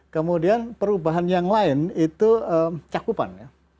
kemudian perubahan yang lain itu cakupan ya